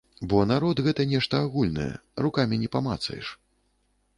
Бо народ гэта нешта агульнае, рукамі не памацаеш.